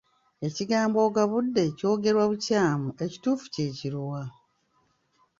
Ekigambo ogabudde kyogerwa mu bukyamu Ekituufu kye kiruwa?